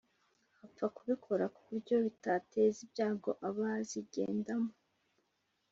bapfa kubikora kuburyo bitateza ibyago abazigendamo